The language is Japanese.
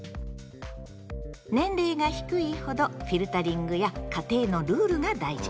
年齢が低いほどフィルタリングや家庭のルールが大事。